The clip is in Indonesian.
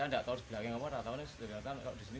saya tidak tahu sebilangan orang yang berlebihan di sini